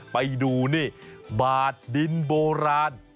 ไปดูบาทดินโบราณ